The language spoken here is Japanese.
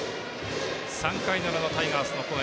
３回の裏のタイガースの攻撃。